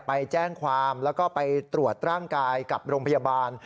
ไปแจ้งความแล้วก็ไปตรวจร่างกายกับโรงพยาบาล